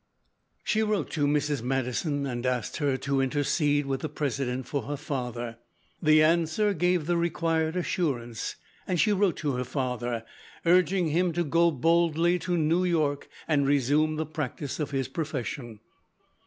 She wrote to Mrs. Madison and asked her to intercede with the President for her father. The answer gave the required assurance, and she wrote to her father, urging him to go boldly to New York and resume the practice of his profession.